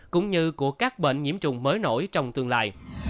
cũng như của các bệnh nhiễm trùng mới nổi trong tương lai